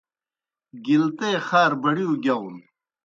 گِلتے خار بڑِیؤ گِیاؤن۔